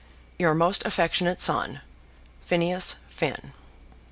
Your most affectionate son, PHINEAS FINN.